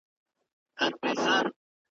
د هر زور له پاسه پورته بل قدرت سته .